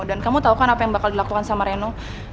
dan kamu tau kan apa yang bakal dilakukan sama reno